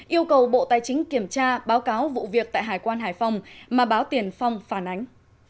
yêu cầu bộ tài chính kiểm tra báo cáo vụ việc tại hải quan hải phòng mà báo tiền phong phản ánh